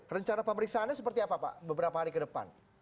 rencana pemeriksaannya seperti apa pak beberapa hari ke depan